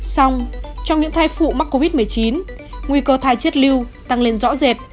xong trong những thai phụ mắc covid một mươi chín nguy cơ thai chết lưu tăng lên rõ rệt